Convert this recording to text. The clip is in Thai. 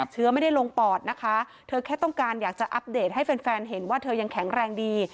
เชื้อไม่ได้ลงปอดนะคะเธอแค่ต้องการอยากจะอัปเดตให้แฟนเห็นว่าเธอยังแข็งแรงดี